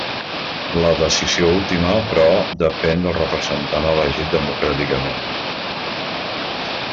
La decisió última, però, depén del representant elegit democràticament.